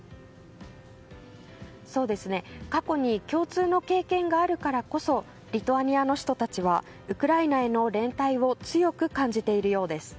過去に共通の経験があるからこそリトアニアの人たちはウクライナへの連帯を強く感じているようです。